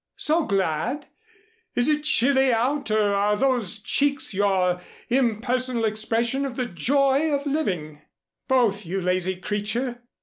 So glad! Is it chilly out or are those cheeks your impersonal expression of the joy of living?" "Both, you lazy creature!